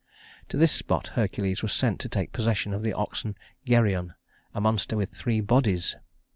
To this spot Hercules was sent to take possession of the oxen of Geryon a monster with three bodies.